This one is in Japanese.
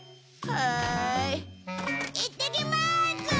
はーい。いってきまーす！